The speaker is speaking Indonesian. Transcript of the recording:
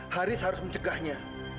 haris harus mencegahnya